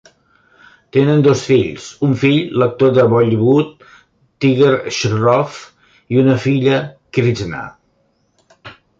Tenen dos fills, un fill, l'actor de Bollywood Tiger Shroff i una filla, Krishna.